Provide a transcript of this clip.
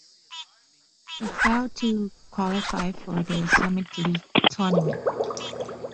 They failed to qualify for the Summit League Tournament.